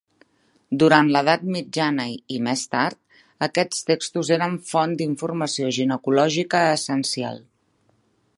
Durant l'Edat Mitjana i més tard, aquests textos eren una font d'informació ginecològica essencial.